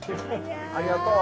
ありがとう。